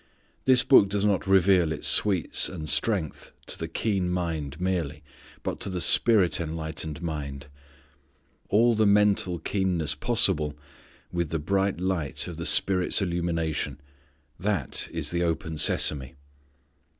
This Book does not reveal its sweets and strength to the keen mind merely, but to the Spirit enlightened mind. All the mental keenness possible, with the bright light of the Spirit's illumination that is the open sesame.